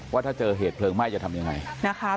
ว่าถ้าเจอเหตุเพลิงไหม้จะทำอย่างไร